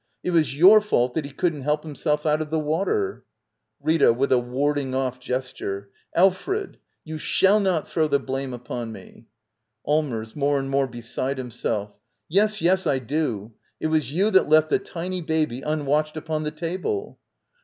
It was your fault that he couldn't help himself out of the water. Rita. [With a warding off gesture.] Alfred — you shall not throw the blame upon me! Allmers. [More and more beside himself.] Xes, yes, I do! It was you that left the tiny baby unwatched upon the table.